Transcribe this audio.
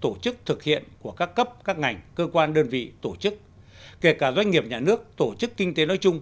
tổ chức thực hiện của các cấp các ngành cơ quan đơn vị tổ chức kể cả doanh nghiệp nhà nước tổ chức kinh tế nói chung